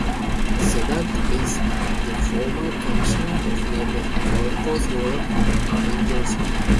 Sabath is the former Commissioner of Labor and Workforce Development in New Jersey.